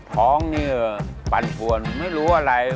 ท้องนี่ปั่นปวนไม่รู้อะไร